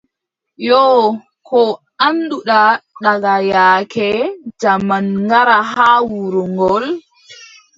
Yoo, koo annduɗa daka yaake jaaman ngara haa wuro ngol ?